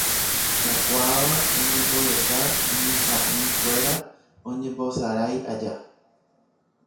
Kakuaáva oñemongeta mitã'ikuéra oñembosarái aja